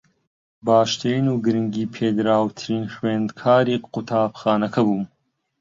باشترین و گرنگی پێدراوترین خوێندکاری قوتابخانەکە بووم